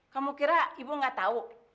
kamu kira ibu gak tahu